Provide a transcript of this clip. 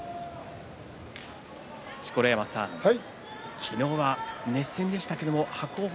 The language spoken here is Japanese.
錣山さん、昨日は熱戦でしたけれども伯桜鵬